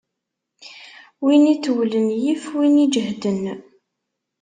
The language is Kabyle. Win itewlen yif win iǧehden.